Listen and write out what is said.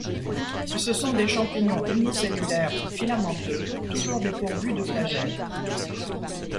Ce sont des champignons unicellulaires ou filamenteux, toujours dépourvus de flagelles.